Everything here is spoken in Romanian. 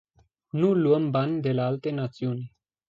Nu luăm bani de la alte națiuni.